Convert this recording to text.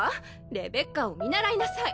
レベッカを見習いなさい！